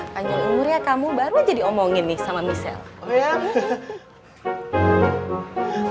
panjang umurnya kamu baru aja diomongin nih sama michelle